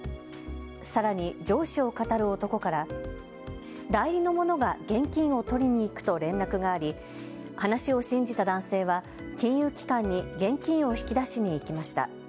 さらに上司をかたる男から代理の者が現金を取りに行くと連絡があり話を信じた男性は金融機関に現金を引き出しに行きました。